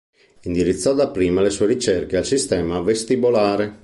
Indirizzò dapprima le sue ricerche al sistema vestibolare.